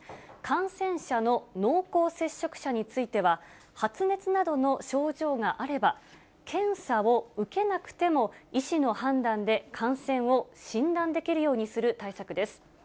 感染者の濃厚接触者については、発熱などの症状があれば、検査を受けなくても医師の判断で感染を診断できるようにする対策です。